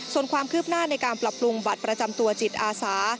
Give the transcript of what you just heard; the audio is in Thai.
ส่วนความคืบหน้าในการปรับปรุงบัตรประจำตัวจิตอาสา